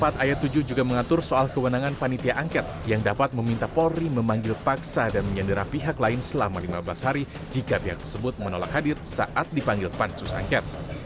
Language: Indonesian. pasal empat ayat tujuh juga mengatur soal kewenangan panitia angket yang dapat meminta polri memanggil paksa dan menyandera pihak lain selama lima belas hari jika pihak tersebut menolak hadir saat dipanggil pansus angket